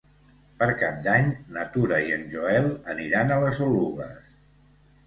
Per Cap d'Any na Tura i en Joel aniran a les Oluges.